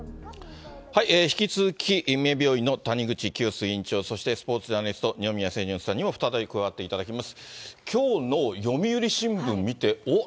引き続き、三重病院の谷口清州医院長、そしてスポーツジャーナリスト、二宮清純さんにも再び加わってもらいます。